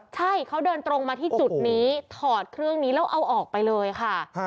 ใช่เขาเดินตรงมาที่จุดนี้ถอดเครื่องนี้แล้วเอาออกไปเลยค่ะ